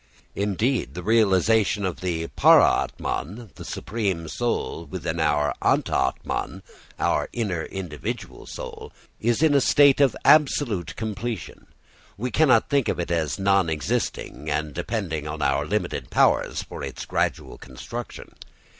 Indeed, the realisation of the paramātman, the supreme soul, within our antarātman, our inner individual soul, is in a state of absolute completion. We cannot think of it as non existent and depending on our limited powers for its gradual construction.